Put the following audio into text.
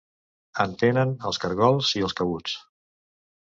En tenen els cargols i els cabuts.